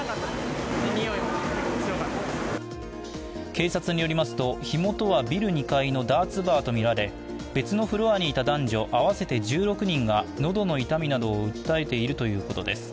警察によりますと、火元はビル２階のダーツバーとみられ、別のフロアにいた男女合わせて１６人が喉の痛みなどを訴えているということです。